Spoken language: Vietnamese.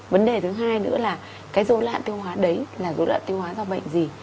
vấn đề thứ hai nữa là cái dối loạn tiêu hóa đấy là dối loạn tiêu hóa do bệnh gì